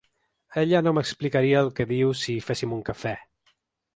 Ella no m’explicaria el que diu si féssim un cafè.